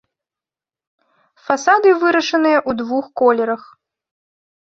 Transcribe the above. Фасады вырашаныя ў двух колерах.